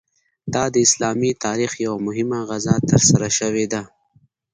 دا د اسلامي تاریخ یوه مهمه غزا ترسره شوې ده.